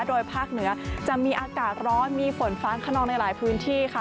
โดยภาคเหนือจะมีอากาศร้อนมีฝนฟ้าขนองในหลายพื้นที่ค่ะ